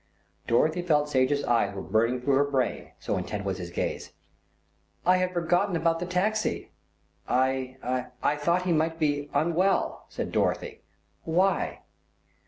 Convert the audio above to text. Dorothy felt Sage's eyes were burning through her brain, so intent was his gaze. "I had forgotten about the taxi. I I thought he might be unwell," said Dorothy. "Why?"